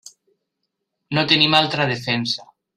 No tenim altra defensa.